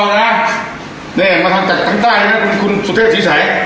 นี่มาทำจากตั้งใต้นะคุณสุเทพศีรษัย